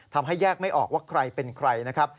ทำให้แยกไม่ออกว่าใครเป็นใครนะครับ